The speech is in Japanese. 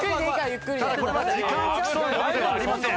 ただこれは時間を競うものではありません。